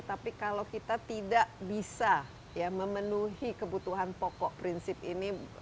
tapi kalau kita tidak bisa memenuhi kebutuhan pokok prinsip ini